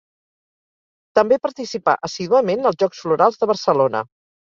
També participà assíduament als Jocs Florals de Barcelona.